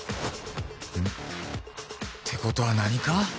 うん？ってことは何か？